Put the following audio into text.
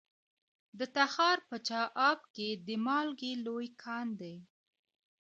د تخار په چاه اب کې د مالګې لوی کان دی.